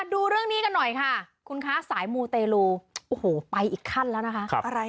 ดูเรื่องนี้กันหน่อยคุณค้าสายมู๋เต๋รูไปอีกขั้นแล้วนะค่ะ